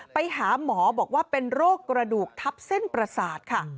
ไปหาหมอบอกว่าเป็นโรคกระดูกทับเส้นประสาทค่ะ